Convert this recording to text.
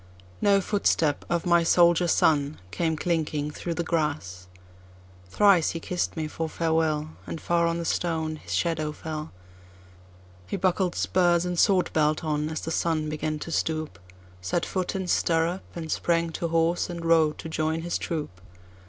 No footstep of my soldier son came clinking through the grass. Thrice he kiss'd me for farewell, And far on the stone his shadow fell; He buckled spurs and sword belt on, as the sun began to stoop, Set foot in stirrup, and sprang to horse, and rode to join his troop.